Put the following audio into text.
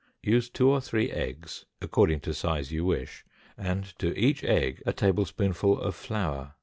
Use two or three eggs according to size you wish, and to each egg a tablespoonful of flour.